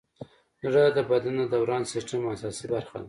زړه د بدن د دوران سیسټم اساسي برخه ده.